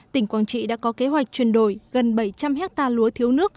tỉnh quảng trị đã có kế hoạch chuyển đổi gần bảy trăm linh hectare lúa thiếu nước